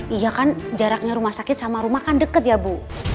iya kan jaraknya rumah sakit sama rumah kan deket ya bu